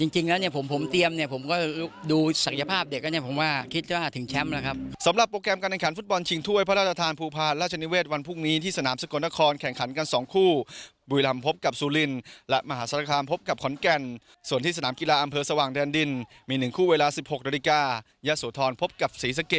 จริงแล้วผมเตรียมดูศักยภาพเด็กคิดว่าถึงแชมป์แล้วครับ